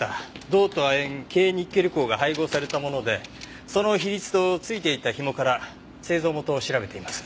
銅と亜鉛珪ニッケル鉱が配合されたものでその比率と付いていたひもから製造元を調べています。